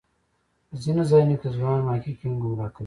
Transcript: په ځینو ځایونو کې ځوان محققین ګمراه کوي.